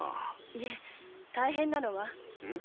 いえ大変なのは。